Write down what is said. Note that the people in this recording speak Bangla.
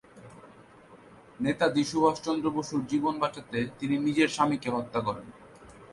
নেতাজী সুভাষচন্দ্র বসুর জীবন বাঁচাতে তিনি নিজের স্বামীকে হত্যা করেন।